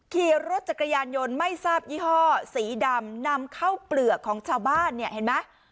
ขี่รถจักรยานยนต์ไม่ทราบยี่ห้อสีดำนำเข้าเปลือกของชาวบ้านเนี่ยเห็นไหม